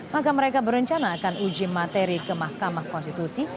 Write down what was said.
maka mereka berencana akan uji materi ke mahkamah konstitusi